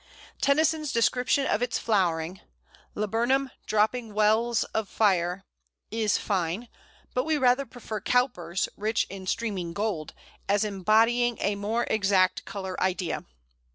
Tennyson's description of its flowering "Laburnum, dropping wells of fire" is fine, but we rather prefer Cowper's "rich in streaming gold," as embodying a more exact colour idea.